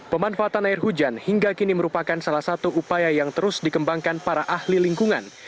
pemanfaatan air hujan hingga kini merupakan salah satu upaya yang terus dikembangkan para ahli lingkungan